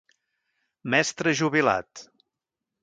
Mestre jubilat.